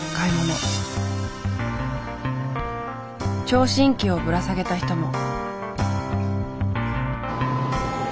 聴診器をぶら下げた人も。